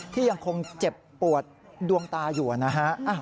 ที่ยังคงเจ็บปวดดวงตาอยู่นะฮะ